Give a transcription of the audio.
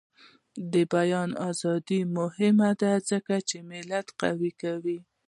د بیان ازادي مهمه ده ځکه چې ملت قوي کوي.